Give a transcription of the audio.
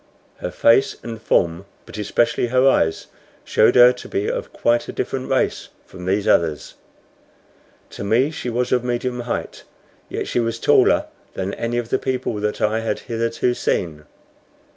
Her face and form, but especially her eyes, showed her to be of quite a different race from these others. To me she was of medium height, yet she was taller than any of the people here that I had hitherto seen.